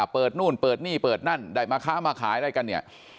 เปิดนู่นเปิดนี่เปิดนั่นมาค้ามาขายได้กัน